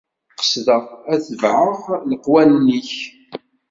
Qesdeɣ ad tebɛeɣ leqwanen-ik.